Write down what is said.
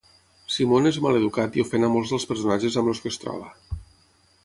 Simon és maleducat i ofèn a molts dels personatges amb els que es troba.